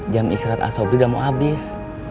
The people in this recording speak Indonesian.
jam istirahat asobi udah mau habis